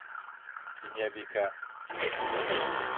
Кинйәбикә: